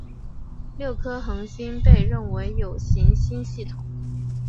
六颗恒星被认为有行星系统。